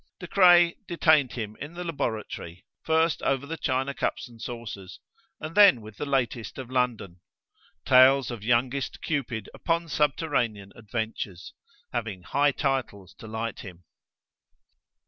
De Craye detained him in the laboratory, first over the China cups and saucers, and then with the latest of London tales of youngest Cupid upon subterranean adventures, having high titles to light him.